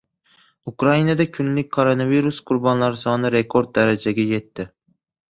Ukrainada kunlik koronavirus qurbonlari soni rekord darajaga yetdi